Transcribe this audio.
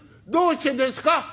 「どうしてですか！？」。